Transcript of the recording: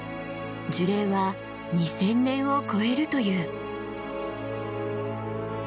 樹齢は２，０００年を超えるという。